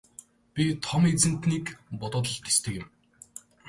Би Том эзэнтнийг бодоод л тэсдэг байсан юм.